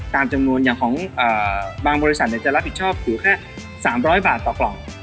ตามจำนวนอย่างของบางบริษัทจะรับผิดชอบอยู่แค่๓๐๐บาทต่อกล่อง